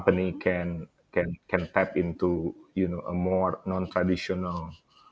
perusahaan yang lebih tidak tradisional